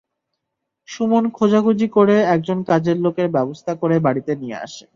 সুমন খোঁজাখুঁজি করে একজন কাজের লোকের ব্যবস্থা করে বাড়িতে নিয়ে আসে।